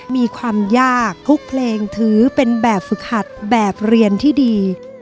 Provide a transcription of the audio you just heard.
มีความยากทุกเพลงถือเป็นแบบฝึกหัดแบบเรียนที่ดี